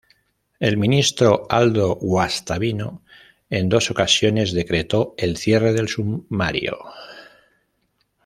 El Ministro Aldo Guastavino en dos ocasiones decretó el cierre del sumario.